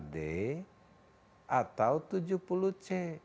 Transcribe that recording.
enam puluh sembilan d atau tujuh puluh c